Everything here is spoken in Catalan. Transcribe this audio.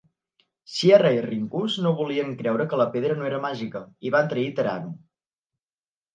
Sierra i Rinkus no volien creure que la Pedra no era màgica i van trair Pterano.